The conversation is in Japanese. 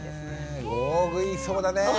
大食いそうだね。